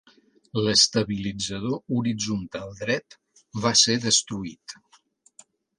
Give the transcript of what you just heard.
L'estabilitzador horitzontal dret va ser destruït.